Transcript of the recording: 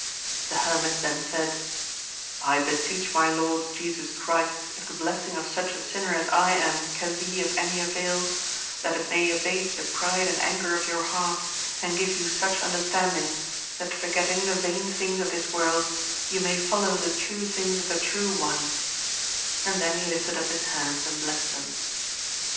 The hermit then said, I beseech my Lord Jesus Christ, if the blessing of such a sinner as I am can be of any avail, that it may abate the pride and anger of your hearts, and give you such understanding, that forgetting the vain things of this world, ye may follow the true things of the true one ; and then he lifted up his hands and blessed them.